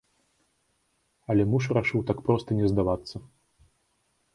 Але муж рашыў так проста не здавацца.